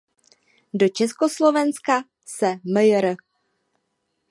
Do Československa se mjr.